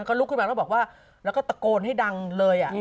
เขาลุกขึ้นมาแล้วบอกว่าแล้วก็ตะโกนให้ดังเลย